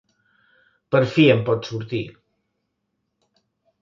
Per fi en pot sortir.